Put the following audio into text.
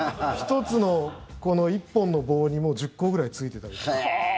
１つの１本の棒に１０個ぐらいついてたりとか。